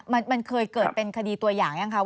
มันเคยเกิดเป็นคดีตัวอย่างยังคะ